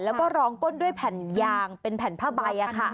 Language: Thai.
แล้วก็รองก้นด้วยแผ่นยางเป็นแผ่นผ้าใบ